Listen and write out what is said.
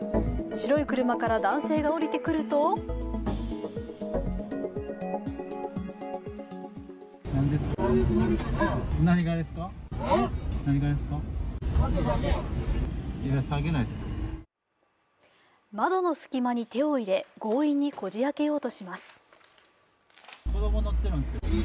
白い車から男性が下りてくると窓の隙間に手を入れ強引にこじあけようとします。